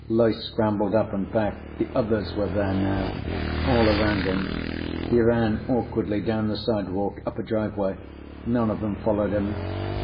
Loyce scrambled up and back. The others were there, now. All around him. He ran, awkwardly, down the sidewalk, up a driveway. None of them followed him.